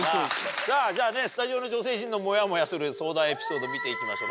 スタジオの女性陣のモヤモヤする相談エピソード見ていきましょう